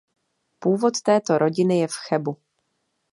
Původ této rodiny je v Chebu.